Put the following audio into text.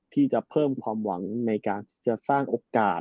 ที่จะเพิ่มความหวังในการที่จะสร้างโอกาส